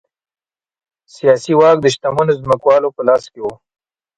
سیاسي واک د شتمنو ځمکوالو په لاس کې و